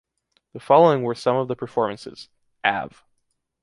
The following were some of the performances: Av.